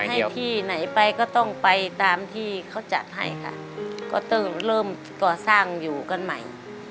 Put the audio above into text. ให้ที่ไหนไปก็ต้องไปตามที่เขาจัดให้ค่ะก็ต้องเริ่มก่อสร้างอยู่กันใหม่